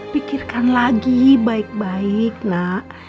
pikirkan lagi baik baik nak